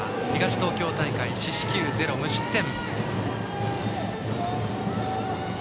東東京大会、四死球０、無失点。